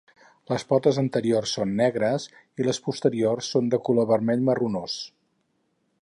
Les potes anteriors són negres i les posteriors són de color vermell marronós.